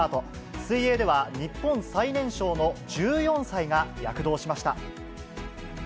水泳では日本最年少の１４歳が躍動しました。